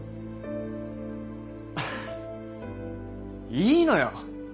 いいのよ。